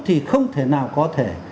thì không thể nào có thể